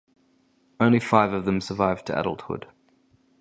Only five of them survived to adulthood.